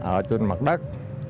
ở trên mặt đất